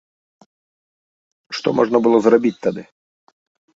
Што можна было зрабіць тады?